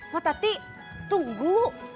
mbak tati tunggu